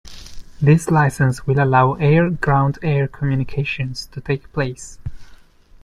This license will allow air-ground-air communications to take place.